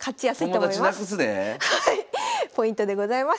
ポイントでございます。